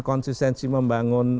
konsistensi membangun kompetensi